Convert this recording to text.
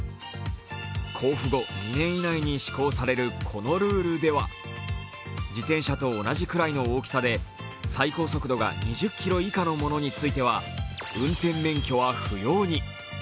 公布後２年以内に施行されるこのルールでは自転車と同じくらいの大きさで最高速度が２０キロ以下のものについては運転免許は不要に。